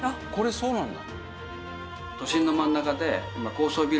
そうなんだ。